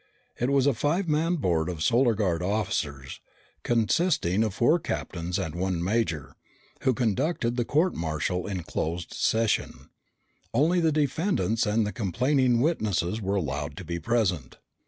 It was a five man board of Solar Guard officers, consisting of four captains and one major, who conducted the court martial in closed session. Only the defendants and the complaining witnesses were allowed to be present.